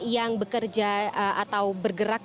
yang bekerja atau bergerak